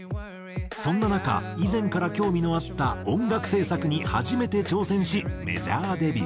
そんな中以前から興味のあった音楽制作に初めて挑戦しメジャーデビュー。